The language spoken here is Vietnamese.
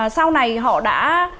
sau này họ đã